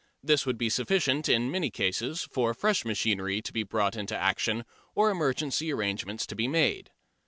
This would be sufficient in many cases for fresh machinery to be brought into action or emergency arrangements to be made.